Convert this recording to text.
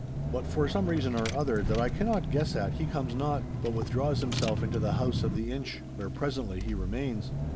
But for some reason or other that I cannot guess at, he comes not; but withdraws himself into the house of the Inch, where presently he remains.